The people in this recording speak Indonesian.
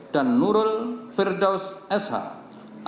dan nurul firdausi shmh